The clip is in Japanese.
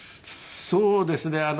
そうですね。